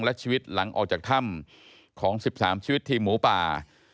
และชีวิตหลังออกจากถ้ำของ๑๓ชีวิตทีมหมูป่า